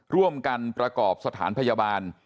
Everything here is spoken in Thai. ร่วมกันประกอบสถานพยาบาล